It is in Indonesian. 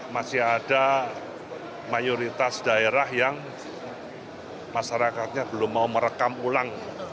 masih ada mayoritas daerah yang masyarakatnya belum mau merekam ulang